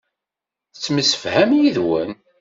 Yettemsefham yid-wen.